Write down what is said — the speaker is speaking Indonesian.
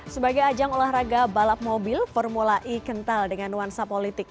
sebagai ajang olahraga balap mobil formula e kental dengan nuansa politik